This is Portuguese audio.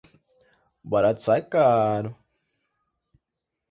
O barato sai caro